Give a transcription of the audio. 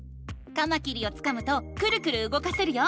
カマキリをつかむとクルクルうごかせるよ。